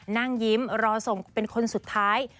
นั่งยิ้มรอส่งเป็นคนสุดท้าย